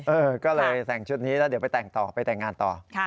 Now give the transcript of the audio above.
เออก็เลยแต่งชุดนี้แล้วเดี๋ยวไปแต่งต่อไปแต่งงานต่อ